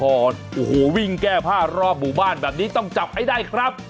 โอ้โหวิ่งแก้ผ้ารอบหมู่บ้านแบบนี้ต้องจับให้ได้ครับ